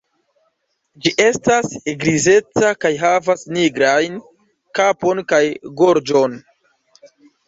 Ĝi estas grizeca kaj havas nigrajn kapon kaj gorĝon.